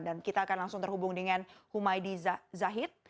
dan kita akan langsung terhubung dengan humaydi zahid